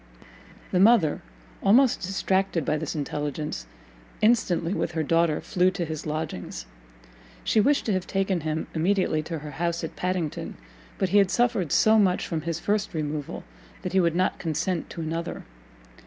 The mother, almost distracted by this intelligence, instantly, with her daughter, flew to his lodgings. She wished to have taken him immediately to her house at Padington, but he had suffered so much from his first removal, that he would not consent to another.